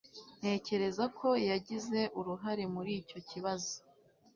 Ntekereza ko yagize uruhare muri icyo kibazo